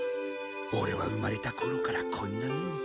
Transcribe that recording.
オレは生まれた頃からこんな目に。